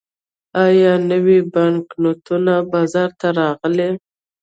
آیا نوي بانکنوټونه بازار ته راغلي؟